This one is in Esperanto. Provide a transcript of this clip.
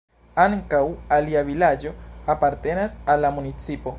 Ankaŭ alia vilaĝo apartenas al la municipo.